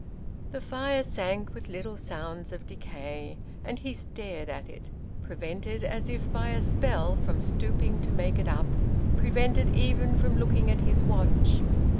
The fire sank, with little sounds of decay; and he stared at it, prevented as if by a spell from stooping to make it up, prevented even from looking at his watch.